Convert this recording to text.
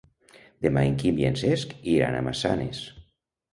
Demà en Quim i en Cesc iran a Massanes.